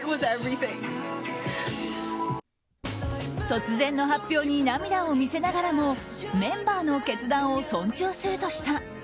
突然の発表に涙を見せながらもメンバーの決断を尊重するとした。